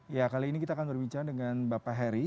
ya kali ini kita akan berbincang dengan bapak heri